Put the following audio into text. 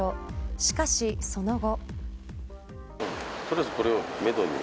しかしその後。